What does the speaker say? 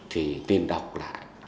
thì nên đọc lại